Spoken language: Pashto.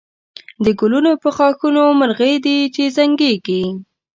د گلونو پر ښاخونو مرغکۍ دی چی زنگېږی